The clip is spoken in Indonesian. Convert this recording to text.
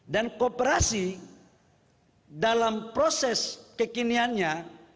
dan kooperasi dalam proses kekiniannya